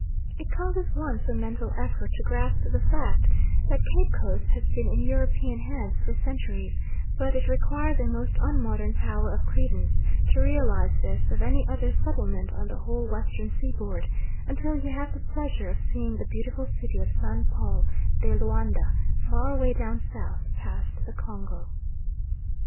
It causes one some mental effort to grasp the fact that Cape Coast has been in European hands for centuries, but it requires a most unmodern power of credence to realise this of any other settlement on the whole western seaboard until you have the pleasure of seeing the beautiful city of San Paul de Loanda, far away down south, past the Congo.